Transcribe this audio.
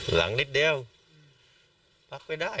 หลังนิดเดียวพักไม่ได้